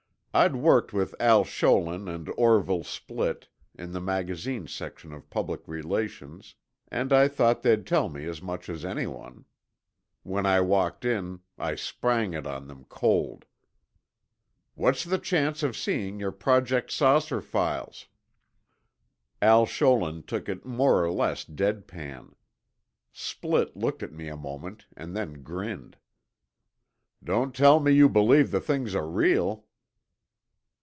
I'd worked with Al Scholin and Orville Splitt, in the magazine section of Public Relations, and I thought they'd tell me as much as anyone. When I walked in, I sprang it on them cold. "What's the chance of seeing your Project 'Saucer' files?" Al Scholin took it more or less dead pan. Splitt looked at me a moment and then grinned. "Don't tell me you believe the things are real?"